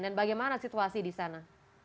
dan bagaimana situasi di sana